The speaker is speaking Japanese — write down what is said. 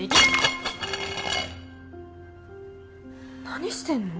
何してんの？